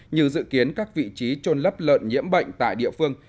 như dự kiến các vị trí trôn lấp lợn nhiễm bệnh tại địa phương